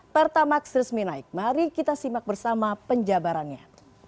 pertamax resmi naik mari kita simak bersama penjabarannya